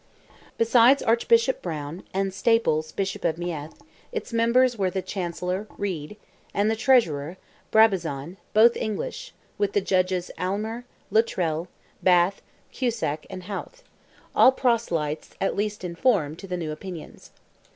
Besides Archbishop Browne and Staples, Bishop of Meath, its members were the Chancellor, Read, and the Treasurer, Brabazon, both English, with the Judges Aylmer, Luttrel, Bath, Cusack, and Howth—all proselytes, at least in form, to the new opinions.